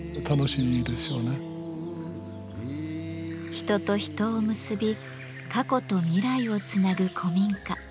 人と人を結び過去と未来をつなぐ古民家。